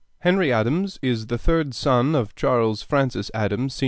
Henry Adams is the third son of Charles Francis Adams, Sr.